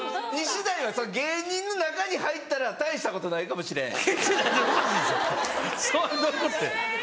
西代は芸人の中に入ったら大したことないかもしれん。